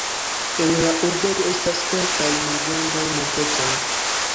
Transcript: En la urbego estas kelkaj malgrandaj montetoj.